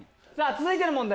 続いての問題